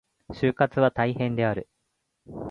就活は大変である。